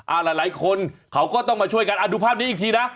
หลายคนเขาก็ต้องมาช่วยกันอ่าดูภาพนี้อีกทีนะ